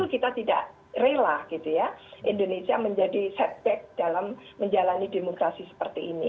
kita tidak rela gitu ya indonesia menjadi setback dalam menjalani demokrasi seperti ini